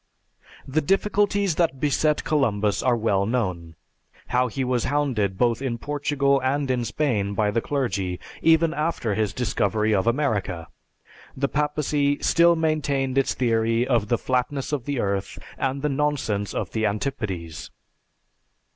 The difficulties that beset Columbus are well known. How he was hounded both in Portugal and in Spain by the clergy; and even after his discovery of America, the Papacy still maintained its theory of the flatness of the earth and the nonsense of the antipodes.